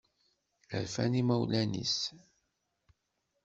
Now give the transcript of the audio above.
Rfan yimawlan-nnes.